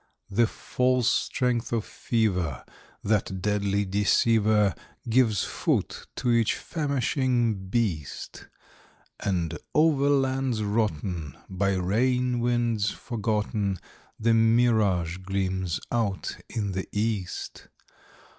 The false strength of fever, that deadly deceiver, Gives foot to each famishing beast; And over lands rotten, by rain winds forgotten, The mirage gleams out in the east.